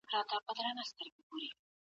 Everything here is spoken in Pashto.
سیروتونین د ارامتیا لامل کېږي.